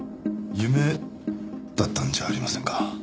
夢だったんじゃありませんか？